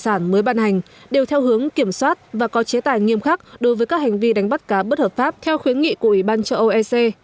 nhiều tài phạm thủy sản mới ban hành đều theo hướng kiểm soát và có chế tài nghiêm khắc đối với các hành vi đánh bắt cá bất hợp pháp theo khuyến nghị của ủy ban cho oec